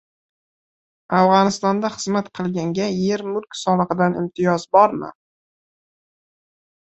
Afg`onistonda xizmat qilganga er-mulk solig`idan imtiyoz bormi?